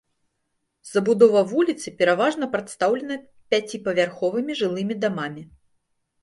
Забудова вуліцы пераважна прадстаўлена пяціпавярховымі жылымі дамамі.